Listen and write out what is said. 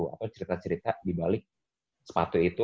atau cerita cerita dibalik sepatu itu